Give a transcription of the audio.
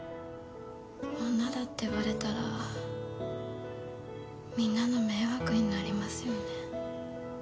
女だってバレたらみんなの迷惑になりますよね。